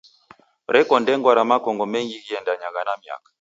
Reko ndengwa ra makongo mengi ghiendanyaa na miaka.